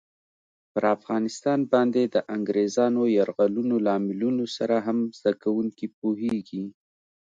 پر افغانستان باندې د انګریزانو یرغلونو لاملونو سره هم زده کوونکي پوهېږي.